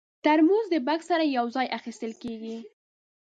ترموز د بکس سره یو ځای اخیستل کېږي.